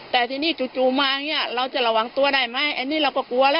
แต่ทีนี้จู่มาอย่างนี้เราจะระวังตัวได้ไหมอันนี้เราก็กลัวแล้ว